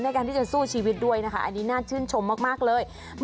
ในการที่จะสู้ชีวิตด้วยนะคะอันนี้น่าชื่นชมมากเลย